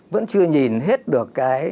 vẫn chưa nhìn hết được cái